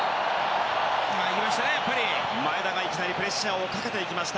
前田がいきなりプレッシャーをかけました。